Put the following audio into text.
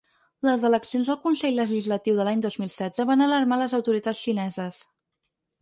Les eleccions al consell legislatiu de l’any dos mil setze van alarmar les autoritats xineses.